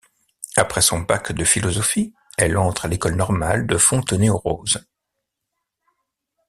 Après son bac de philosophie, elle entre à l’École normale de Fontenay-aux-Roses.